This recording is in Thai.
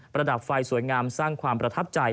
ระดับไฟสวยงามสร้างความประทับใจ